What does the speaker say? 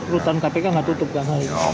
rutan kpk gak tutup gak kali ya